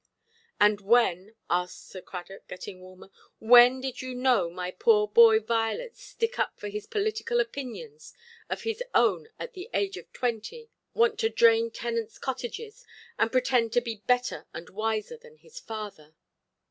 "And when", asked Sir Cradock, getting warmer, "when did you know my poor boy Violet stick up for political opinions of his own at the age of twenty, want to drain tenants' cottages, and pretend to be better and wiser than his father"?